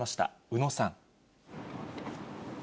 宇野さん。